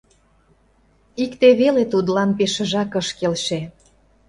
Икте веле тудлан пешыжак ыш келше.